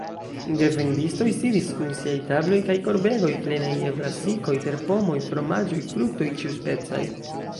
Gevendistoj sidis kun siaj tabloj kaj korbegoj plenaj je brasikoj, terpomoj, fromaĝoj, fruktoj ĉiuspecaj.